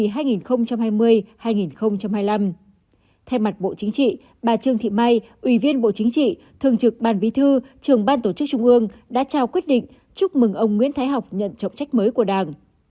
thay mặt bộ chính trị bà trương thị mai ủy viên bộ chính trị thường trực ban bí thư trường ban tổ chức trung ương đã trao quyết định chúc mừng ông nguyễn thái học nhận trọng trách mới của đảng